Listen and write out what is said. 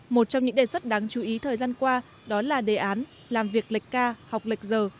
một trong những đề xuất đáng chú ý thời gian qua đó là đề án làm việc lệch ca học lệch giờ